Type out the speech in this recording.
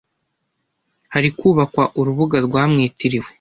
Hari kubakwa urubuga rwamwitiriwe